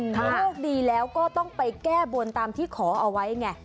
โชคดีแล้วก็ต้องไปแก้บนตามที่ขอเอาไว้ไง